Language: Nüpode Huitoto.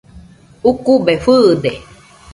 Ukube fɨɨde.